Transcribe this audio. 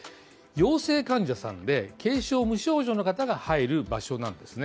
陽性患者さんで、軽症無症状の方が入る場所なんですね。